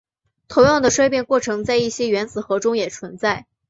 同样的衰变过程在一些原子核中也存在。